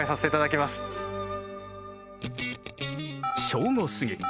正午過ぎ。